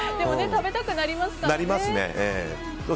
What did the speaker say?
食べたくなりますよね。